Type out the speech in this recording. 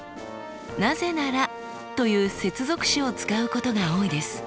「なぜなら」という接続詞を使うことが多いです。